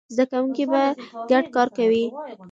زده کوونکي به ګډ کار کوي.